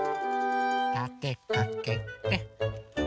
たてかけて。